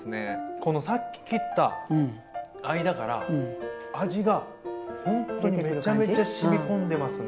このさっき切った間から味がほんとにめちゃめちゃしみ込んでますね。